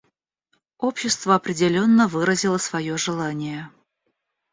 Общество определенно выразило свое желание.